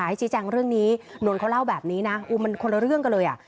ให้ชี้แจงเรื่องนี้นนท์เขาเล่าแบบนี้นะมันคนละเรื่องกันเลยอ่ะ